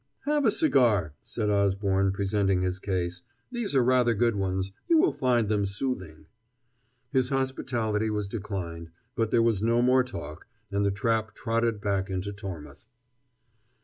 "Have a cigar," said Osborne, presenting his case; "these are rather good ones; you will find them soothing." His hospitality was declined, but there was no more talk, and the trap trotted back into Tormouth.